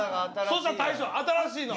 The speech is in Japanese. そしたら大将新しいの。